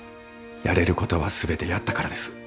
やれることは全てやったからです。